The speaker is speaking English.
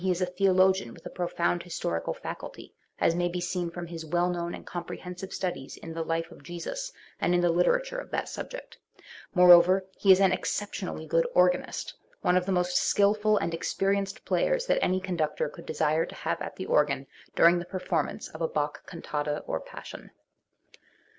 is a theologian with a profound historical faculty, as may be seen from his well known and comprehensive studios in the life of Jesus and in the literature of that subject; more over lie is an exceptionally good organist, one* of the most skilful and experienced players that airy conductor could desire to have at the organ during the performance of a Bach cantata or Passion.